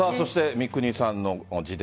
三國さんの自伝